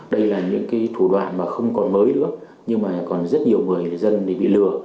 đây là những thủ đoạn mà không còn mới nữa nhưng mà còn rất nhiều người dân bị lừa